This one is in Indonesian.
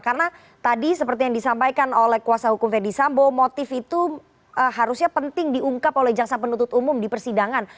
karena tadi seperti yang disampaikan oleh kuasa hukum ferdisambu motif itu harusnya penting diungkap oleh jaksa penuntut umum di persidangan